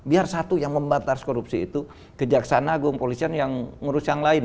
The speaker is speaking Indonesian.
biar satu yang membatas korupsi itu kejaksaan agung polisian yang ngurus yang lain